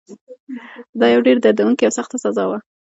دا یوه ډېره دردونکې او سخته سزا وه.